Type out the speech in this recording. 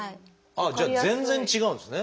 じゃあ全然違うんですね。